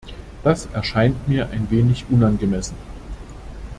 Das erscheint mir ein wenig unangemessen.